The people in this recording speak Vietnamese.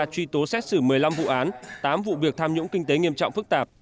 truy tố xét xử một mươi năm vụ án tám vụ việc tham nhũng kinh tế nghiêm trọng phức tạp